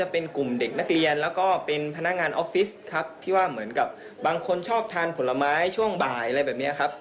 พี่ว่าเหมือนกับบางคนชอบทานผลไม้ช่วงบ่ายอะไรแบบนี้ครับ